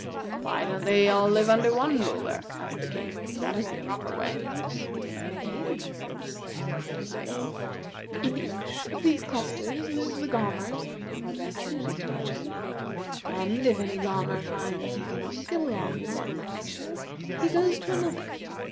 "Why don't they all live under one ruler?" asked the King. "That is the proper way." "They do not think so," said the Sphinx. "In each of these clusters live the Gaumers who are best suited to each other; and, if any Gaumer finds he cannot get along in one cluster, he goes to another.